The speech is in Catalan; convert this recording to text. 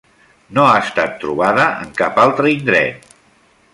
No ha estat trobada en cap altre indret.